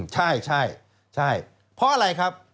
ใช่ใช่เพราะอะไรครับ